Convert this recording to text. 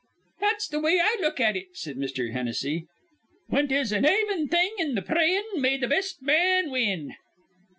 "That's th' way I look at it," said Mr. Hennessy. "When 'tis an aven thing in th' prayin', may th' best man win."